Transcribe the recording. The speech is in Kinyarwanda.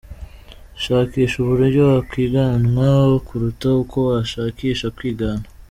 Shakisha uburyo wakwiganwa kuruta uko washakisha kwigana”.